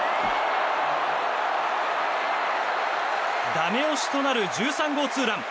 ダメ押しとなる１３号ツーラン。